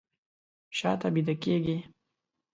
شاته بیده کیږي